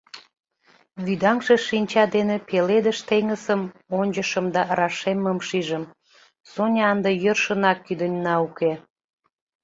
Вӱдаҥше шинча дене пеледыш теҥызым ончышым да рашеммым шижым: Соня ынде йӧршынак кӱдыньна уке.